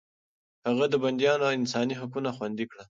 هغه د بنديانو انساني حقونه خوندي کړل.